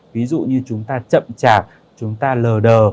ví dụ như chúng ta chậm chạp chúng ta lờ đờ